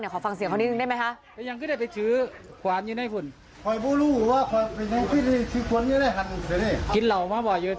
ขอฟังเสียงแบบนี้หนึ่งได้ไหม